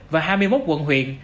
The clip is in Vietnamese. và hai mươi một quận huyện